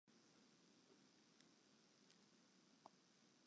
De grûn wurdt de kommende wiken oanpast om de bysûndere natoer te behâlden.